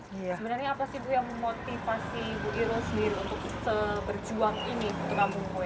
sebenarnya apa sih bu yang memotivasi bu iro sendiri untuk berjuang ini ke kampung kue